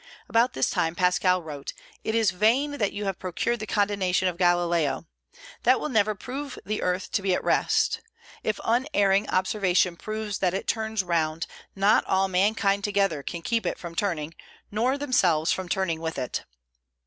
About this time Pascal wrote: "It is vain that you have procured the condemnation of Galileo. That will never prove the earth to be at rest. If unerring observation proves that it turns round, not all mankind together can keep it from turning, or themselves from turning with it."